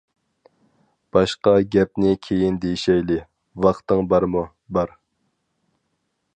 -باشقا گەپنى كېيىن دېيىشەيلى، ۋاقتىڭ بارمۇ؟ -بار.